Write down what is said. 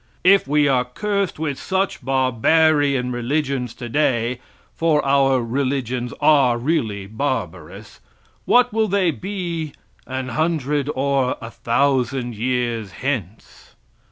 If we are cursed with such barbarian religions today for our religions are really barbarous what will they be an hundred or a thousand years hence?